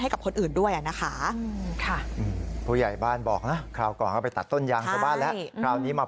กับคนอื่นด้วยนะคะผู้ใหญ่บ้านบอกนะคราวก่อนเข้าไปตัดต้นยางชาวบ้านแล้วคราวนี้มา